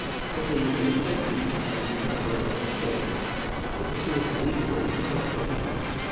Of these there were plenty, and none were allowed to escape. The pursuers had easy work in prize taking.